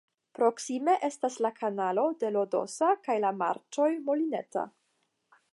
Proksime estas la Kanalo de Lodosa kaj la marĉoj Molineta.